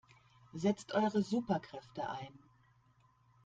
Setzt eure Superkräfte ein!